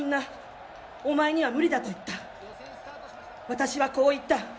私はこう言った。